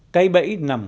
cây bẫy nằm